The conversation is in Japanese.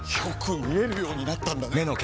よく見えるようになったんだね！